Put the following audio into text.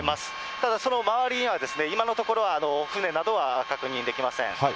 ただその周りには今のところは、船などは確認できません。